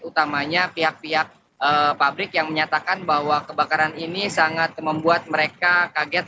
utamanya pihak pihak pabrik yang menyatakan bahwa kebakaran ini sangat membuat mereka kaget